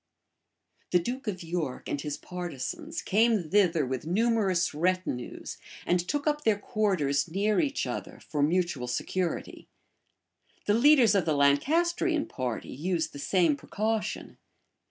{1458.} The duke of York and his partisans came thither with numerous retinues, and took up their quarters near each other for mutual security. The leaders of the Lancastrian party used the same precaution.